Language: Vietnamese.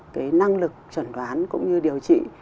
cái năng lực chuẩn đoán cũng như điều trị